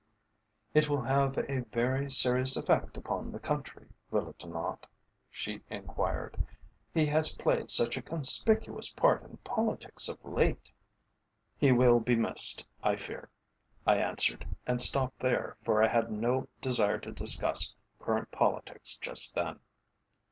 "It will have a very serious effect upon the country, will it not?" she enquired. "He has played such a conspicuous part in politics of late!" "He will be missed, I fear," I answered, and stopped there, for I had no desire to discuss current politics just then.